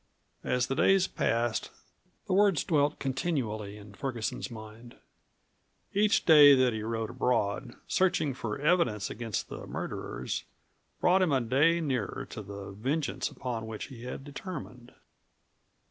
As the days passed the words dwelt continually in Ferguson's mind. Each day that he rode abroad, searching for evidence against the murderers, brought him a day nearer to the vengeance upon which he had determined.